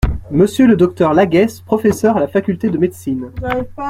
Monsieur le Dr Laguesse, professeur à la Faculté de médecine.